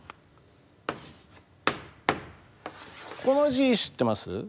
この字知ってます？